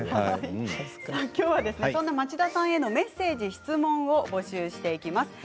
きょうはそんな町田さんへのメッセージ質問も募集しています。